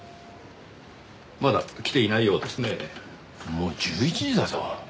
もう１１時だぞ。